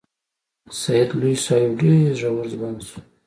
سید لوی شو او یو ډیر زړور ځوان شو.